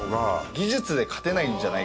技術で勝てないんじゃないか。